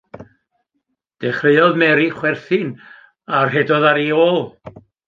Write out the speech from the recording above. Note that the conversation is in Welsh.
Dechreuodd Mary chwerthin, a rhedodd ar ei ôl.